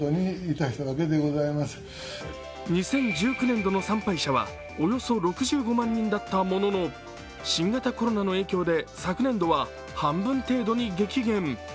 ２０１９年度の参拝者はおよそ６５万人だったものの、新型コロナの影響で、昨年度は半分程度に激減。